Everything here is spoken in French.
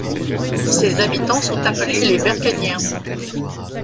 Ses habitants sont appelés les Bercagniens.